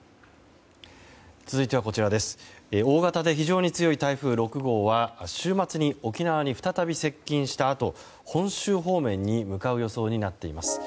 続いては大型で非常に強い台風６号は週末に沖縄に再び接近したあと本州方面に向かう予想になっています。